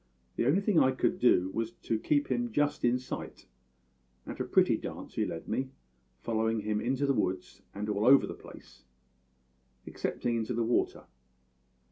The only thing I could do was to keep him just in sight, and a pretty dance he led me, following him into the woods and all over the place excepting into the water.